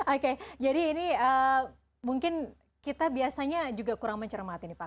oke jadi ini mungkin kita biasanya juga kurang mencermati nih pak